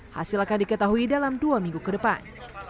hasil akan diketahui dalam dua minggu ke depan